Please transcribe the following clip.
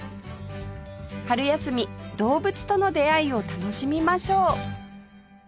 春休み動物との出会いを楽しみましょう